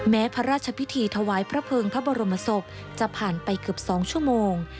พระราชพิธีถวายพระเภิงพระบรมศพจะผ่านไปเกือบ๒ชั่วโมง